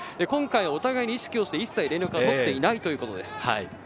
今回お互いに意識をして一切連絡はとっていないということです。